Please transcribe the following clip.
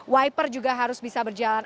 wiper juga harus bisa berjalan